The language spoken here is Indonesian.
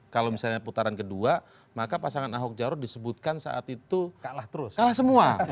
kalau misalnya putaran kedua maka pasangan ahok jarot disebutkan saat itu kalah terus kalah semua